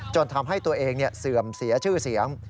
ทำให้ตัวเองเสื่อมเสียชื่อเสียง